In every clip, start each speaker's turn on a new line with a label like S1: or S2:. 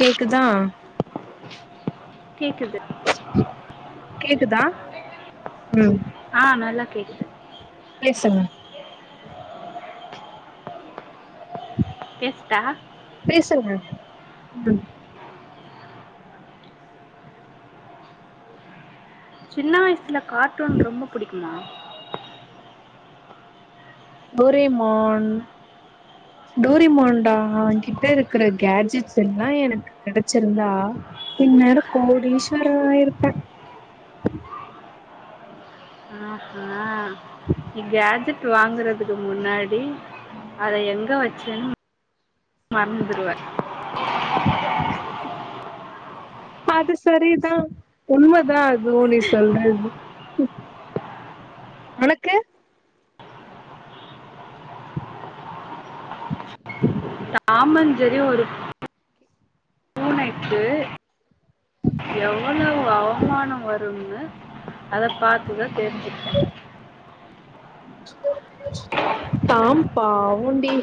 S1: கேக்குதா
S2: கேக்குது
S1: கேக்குதா ம்
S2: ஆ நல்லா கேக்குது
S1: பேசுங்க
S2: பேஸ்டா
S1: பேசுங்க ம்
S2: சின்ன வயசுல கார்ட்டூன் ரொம்ப புடிக்குமா
S1: டோரிமாண் டோரிமாண்டா அவ கிட்ட இருக்கிற கேஜெட்ஸ் எல்லாம் எனக்கு கெடைச்சிருந்தா இந்நேரம் கோடீஸ்வரா ஆயிருப்பேன்
S2: ஆஹா நீ கேஜெட் வாங்குறதுக்கு முன்னாடி அத எங்க வச்சேன்னு மறந்துருவேன்
S1: அது சரிதான் உண்மதான் தோழி சொல்றது உனக்கு
S2: டாமன் ஜரி ஒரு விட்டு
S1: [unintelligible]
S2: அவமானம் வரும்னு அத பாத்துக்க தேரிஞ்சிட்டங்க
S1: தாம்பாவண்டி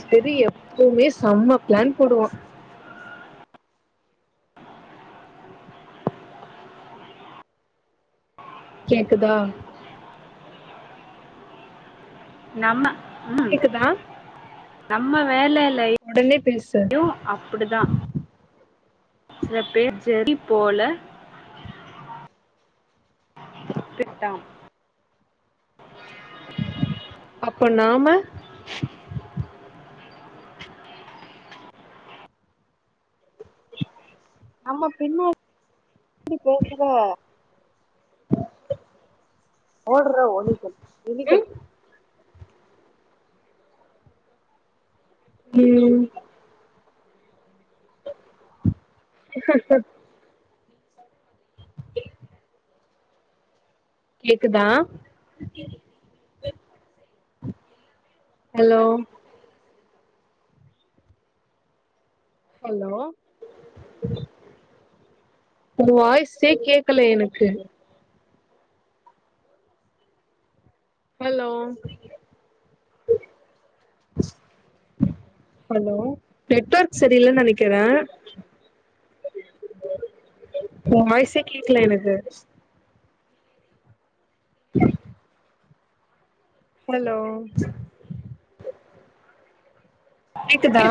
S1: செரி எப்பவுமே செம்ம பிளான் போடுவான் கேக்குதா
S2: நம்ம ம்
S1: கேக்குதா
S2: நம்ம வேல
S1: உடனே பேசு ட்ட
S2: ம் அப்பிடிதா சில பேர் ஜெடி போல விட்டுட்டன்
S1: அப்ப நாம
S2: ஆமா பின்னால எப்டி பேசுற ஒடுகிற ஒலிக்கல் விணிகள்
S1: ம் உம் கெட்செட் போட் கேக்குதா ஹலோ ஹலோ உங்க வாய்ஸே கேக்கல எனக்கு ஹலோ ஹலோ நெட்வர்க் சரியிலனு நினக்கிறேன் உன் வாயிஷே கேக்கல எனக்கு ஹலோ கேக்குதா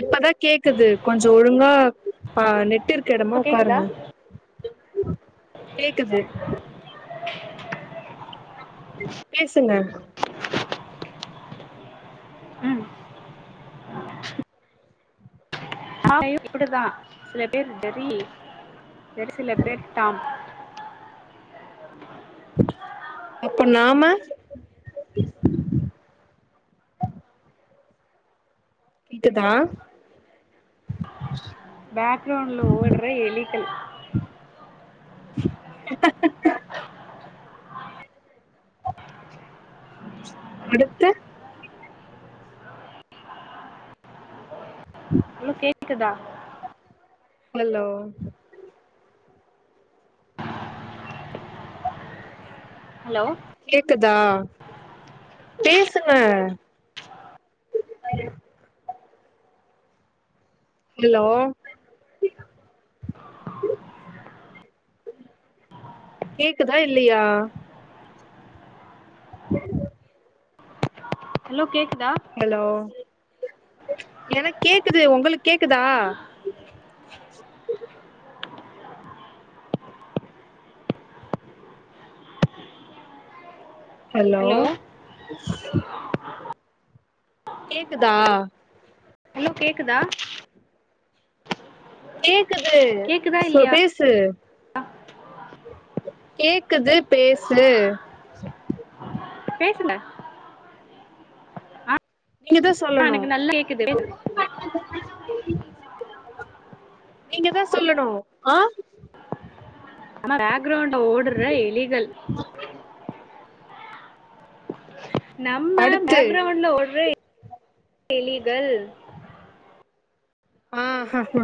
S1: இப்பதான் கேக் கேக்குது கொஞ்சம் ஒழுங்கா ஆஹா நெட் நெட் இருக்க
S2: இப்ப
S1: எடமா
S2: கேக்குதா
S1: உக்காருங்க கேக்குது கேக்குது பேசுங்க
S2: ம் நா இப்டிதான் சில பேர் டெரி வேறு சில பேர் டாம்
S1: அப்ப நாம கேக்குதா
S2: பேக்கிரவுண்ட்ல ஓடுற எலிக்கல் [inaudible]
S1: ச் அடுத்து
S2: ஹலோ கேக்குதா
S1: ஹல்லோ
S2: ஹலோ
S1: கேக்குதா பேசுங்க ஹலோ கேக்குதா இல்லயா ஆஹா போசு ஒகே
S2: ஹலோ கேக்
S1: ஹலோ எனக்கு கேக்குது உங்களுக்கு கேக்குதா ஹலோ [inaudible] கேக்குதா
S2: ஹாலோ கேக்குதா
S1: கே இருக்குது
S2: கேக்குதா
S1: சு
S2: இல்லையா
S1: பேசு கே இருக்குது பேசு [inaudible]
S2: பேசல
S1: நீங்கதான் சொல்லணும்
S2: எனக்கு நல்லா கேக்குது பேசு
S1: நீங்க தான் சொல்லணும் ஆ
S2: [unintelligible] கிரவுண்ட்ல ஓடுற எலிகள் நம்ம
S1: அடுத்து
S2: பேக்கிரவுண்ட்ல ஒட்ற எலிகள்
S1: ஆஹா ஹா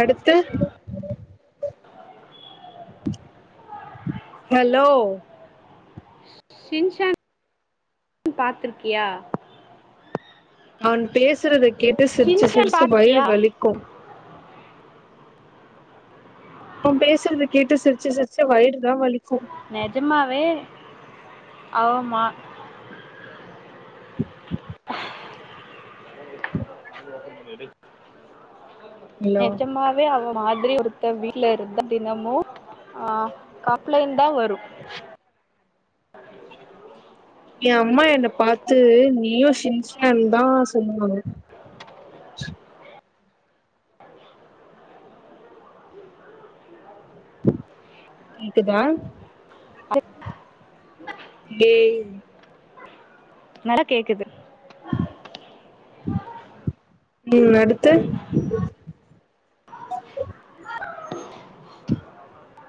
S1: அடுத்து ஹலோ
S2: ஷின்ஷான் பாத்திருக்கியா
S1: அவன் பேசுறதுக்கு கேட்டு சிரிச்சு
S2: ஷின்சான்
S1: சிரிச்சு வயிறு
S2: பாத்திருக்கியா
S1: வலிக்கு அவ பேசுறத கேட்டு சிரிச்சு சிரிச்சு வயிறுதா வலிக்கு
S2: நெஜமாவே ஆவ மா
S1: [inaudible]
S2: [inaudible]
S1: ஹலோ
S2: நெஜமாவே அவ மாதிரி ஒருத்த வீடல இருந்த தினமும் அ காப்ளைன் தான் வரும்
S1: என் அம்மா என்னை பாரத்து நீயும் சினிச்சன்னு தான் சொல்லுவாங்க கேக்குதா டேய்
S2: நல்லா கேக்குது
S1: ம் அடுத்து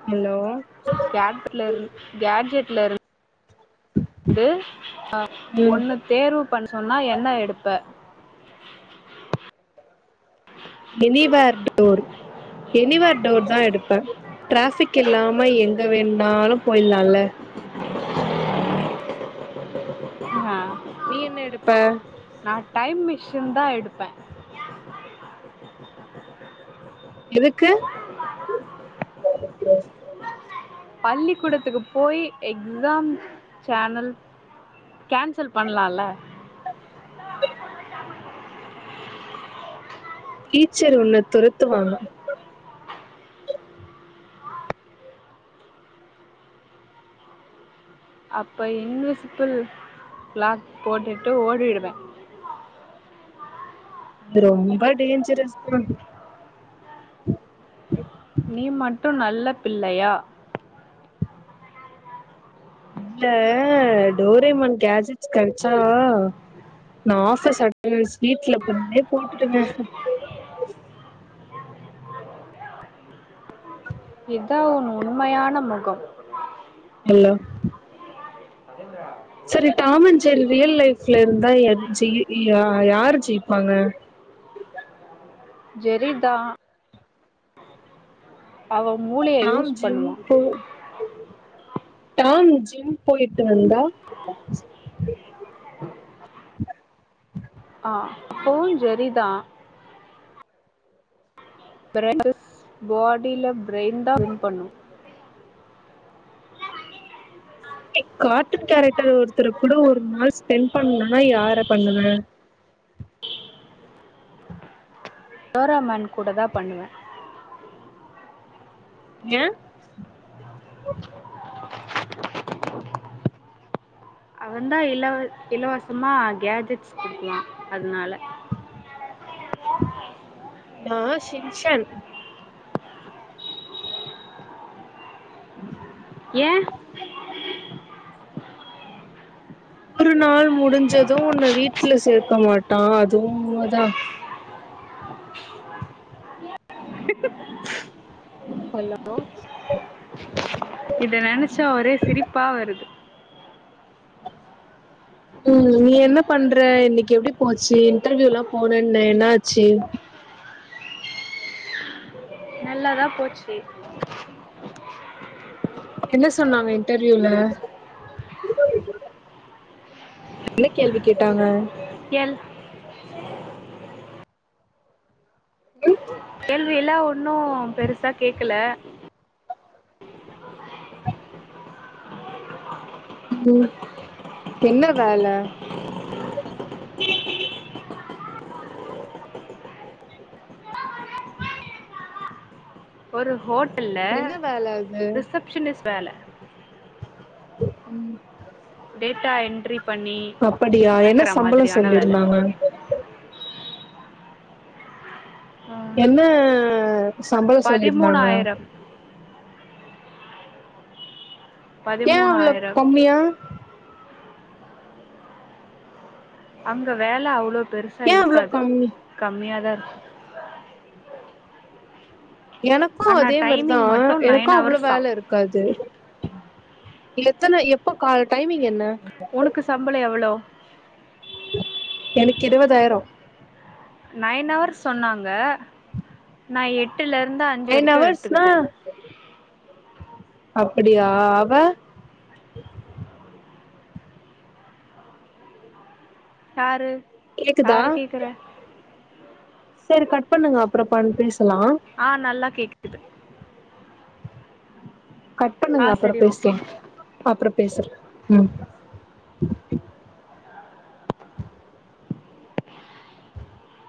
S1: ஹலோ
S2: கேஜட்ல இரு கே்ஜெட்ல இருந்து ந்து அ
S1: ம்
S2: ஒண்ண தேர்வு பண்ண சொன்னா என்ன எடுப்ப
S1: எனிவே டோர் எனிவே டோர் தான் எடுப்பேன் டிராபிக் இல்லாம எங்க வேணாலும் போயலாம்ல
S2: ஆ
S1: நீ என்ன எடுப்ப
S2: நா டைம் மிஷின்தா எடுப்பே
S1: எதுக்கு
S2: பள்ளிக்கூடத்துக்கு போய் எக்ஸாம் சேனல் கேன்சல் பண்ணலாம்ல
S1: டீச்சர் உன்ன துரத்துவாங்க
S2: அப்போ இன்விசிபில் லாக் போட்டுட்டு ஒடிடுவே
S1: நீ ரொம்ப டேஞ்சரஸ்தா
S2: நீ மட்டும் நல் நல்ல பிள்ளையா
S1: இல்ல டோரேமான் கேஜட்ஸ் கெடைச்சா நா ஆஃபிஸ் அட்னன்ஸ் வீட்ல இருந்தே போட்டுடுவே
S2: இதான் உன் உண்மயான முகம்
S1: ஹலோ செரி டாமஞ்சரி ரியல் லைப்ல இருந்தா யாரு ஜெயிப்பாங்க
S2: ஜெரி தான் அவ மூளைய
S1: டாம்
S2: யூஸ் பண்ணுவா
S1: டான் ஜிம் போயிட்டு வந்தா
S2: ஆ அப்போவு ஜெரிதா அப்ற [unintelligible] பாடில டிரையின்தா வின் பண்ணு
S1: கார்ட்டுன் கேரக்டர் ஒருத்தரு கூட ஒரு நாள் ஸ்பெண்ட் பண்ணனுன்னா யார பண்ணுவ
S2: டோராமான் கூடதா பண்ணுவே
S1: ஏன்
S2: அவந்தா இல இலவசமா கேட்ஜெட்ஸ் குடுக்குவா அதனால
S1: நா சின்ஷென்
S2: ஏன்
S1: ஒரு நாள் முடிஞ்சது உன்ன வீட்டுல சேக்க மாட்டா அதுவு உண்மைதா ஹலோ
S2: இத நெனைச்சா ஒரே சிரிப்பா வருது
S1: உம் நீ என்ன பண்ற இன்னைக்கி எப்டி போச்சு இன்டர்வியூ எல்லாம் போனேன்ன என்னாச்சு
S2: நல்லாதா போச்சு
S1: என்ன சொன்னாங்க இன்டர்வியூல என்ன கேள்வி கேட்டாங்க
S2: எல்
S1: அ
S2: கேள்வி எல்லா ஒன்னும் பெருசா கேக்கல
S1: உ என்ன வேல [unintelligible]
S2: ஒரு ஹோட் இல்ல
S1: என்ன வேல அது
S2: ரிசப்ஷனிஸ்ட் வேல
S1: உம்
S2: டேட்டா என்ரி
S1: அப்படியா என்ன சம்பளம்
S2: வேலை
S1: சொல்லிருந்தாங்க என்ன சம்பளம் சொல்லியிருந்தாங்க
S2: பதிமூணாயிரம்
S1: ஏன் அவ்வளவு
S2: பதிமூணாயிரம்
S1: கம்மியா
S2: அங்க வேலை அவ்ளோ பெருசா
S1: ஏ அவ்ளோ
S2: இருக்காது
S1: கம்மி
S2: கம்மிய தான் இருக்கும்
S1: எனக்கும்
S2: ஆனா
S1: அதே
S2: டைமிங்
S1: மாதிரிதான்
S2: மட்டும் நைன்
S1: எனக்கும் அவ்வளவு
S2: ஹவர்ஸ் தான்
S1: வேல இருக்காது எத்தனை எப்போ கால டைமிங் என்ன
S2: உனக்கு சம்பளம் எவ்ளோ
S1: எனக்கு இருவதாயிரம்
S2: நைன் ஹார்ஸ் சொன்னாங்க ந எட்டு வீட்லருந்து அஞ்சு
S1: நைன்
S2: வரைக்கும்
S1: ஹவர்ஸ்னா
S2: எடுத்துக்கிட்டேன்
S1: அப்படியா அவ
S2: ஆறு
S1: கேக்குதா
S2: ஆற கேக்குற
S1: சேரி கட் பண்ணுங்க அப்புறம் பேச
S2: ஆஹ் நல்லா கேக்குது
S1: கட் பண்ணுங்க
S2: ஆ
S1: அப்புறம்
S2: சரி ஓகே
S1: பேசலாம் அப்புறம் பேசுறேன் உஹம்